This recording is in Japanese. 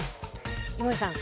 井森さん